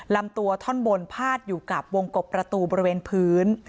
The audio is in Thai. ลำตัวท่อนบนพาดอยู่กับวงกบประตูบริเวณพื้น